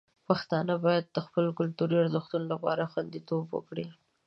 پښتانه باید د خپلو کلتوري ارزښتونو لپاره خوندیتوب وکړي.